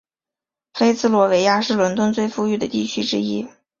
菲茨罗维亚是伦敦最富裕的地区之一。